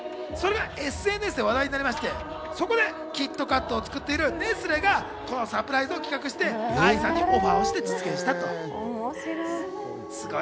それがＳＮＳで話題になりまして、そこでキットカットを作っているネスレがこのサプライズを企画してＡＩさんにオファーして実現したんです。